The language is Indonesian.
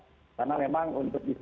karena memang untuk bisa